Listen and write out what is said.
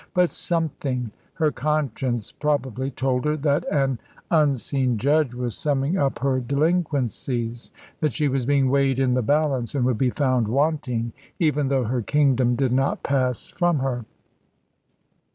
But something her conscience probably told her that an unseen Judge was summing up her delinquencies; that she was being weighed in the balance and would be found wanting, even though her kingdom did not pass from her.